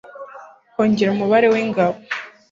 kongera umubare w'ingabo